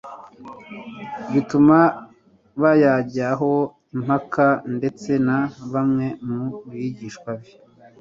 bituma bayajyaho impaka. Ndetse na bamwe mu bigishwa be